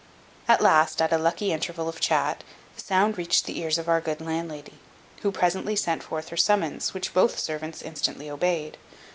At last, at a lucky interval of chat, the sound reached the ears of our good landlady, who presently sent forth her summons, which both her servants instantly obeyed.